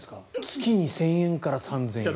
月２０００円から３０００円。